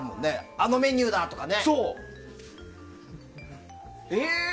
あのメニューだ、とかね。